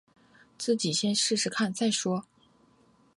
自己先试试看再说